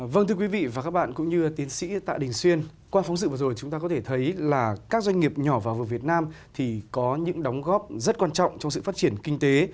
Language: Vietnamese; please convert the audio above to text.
vâng thưa quý vị và các bạn cũng như tiến sĩ tạ đình xuyên qua phóng sự vừa rồi chúng ta có thể thấy là các doanh nghiệp nhỏ và vừa việt nam thì có những đóng góp rất quan trọng trong sự phát triển kinh tế